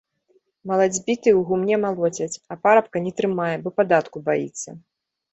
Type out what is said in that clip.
Малацьбіты ў гумне малоцяць, а парабка не трымае, бо падатку баіцца.